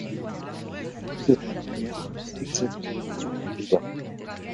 Nous avons eu hier exactement le même débat.